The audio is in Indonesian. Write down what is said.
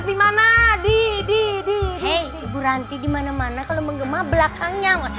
dimana di di di di di di di di mana mana kalau mengema belakangnya